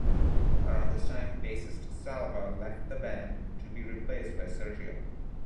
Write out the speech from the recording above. Around this time bassist Salva left the band, to be replaced by Sergio.